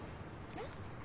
えっ？